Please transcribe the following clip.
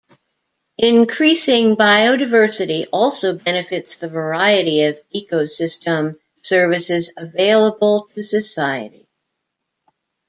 Increasing biodiversity also benefits the variety of ecosystem services available to society.